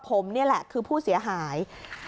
ผมนี่แหละคือผู้เสียหาย